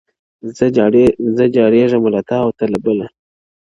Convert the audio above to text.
زه جارېږمه له تا او ته له بله,